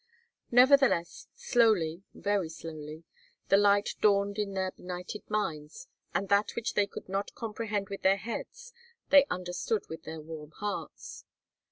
Nevertheless, slowly, very slowly, the light dawned in their benighted minds, and that which they could not comprehend with their heads they understood with their warm hearts.